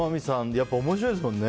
やっぱり面白いですもんね。